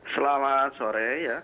selamat sore ya